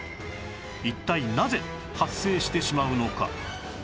一体なぜ発生してしまうのか？